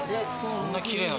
こんなきれいな。